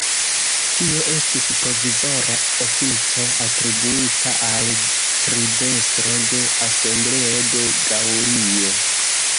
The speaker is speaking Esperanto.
Tio estis provizora ofico atribuita al tribestro de Asembleo de Gaŭlio.